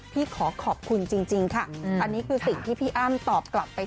ขอขอบคุณจริงค่ะอันนี้คือสิ่งที่พี่อ้ำตอบกลับไป